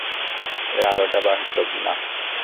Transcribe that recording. এই আলোটা বাস্তব না।